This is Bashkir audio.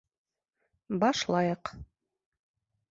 — Башлайыҡ.